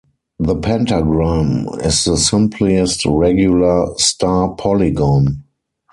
The pentagram is the simplest regular star polygon.